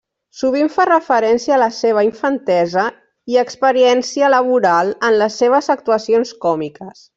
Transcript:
Sovint fa referència a la seva infantesa i experiència laboral en les seves actuacions còmiques.